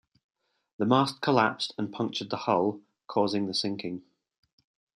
The mast collapsed and punctured the hull, causing the sinking.